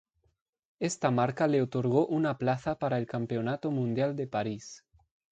Esta marca le otorgó una plaza para el Campeonato Mundial de París.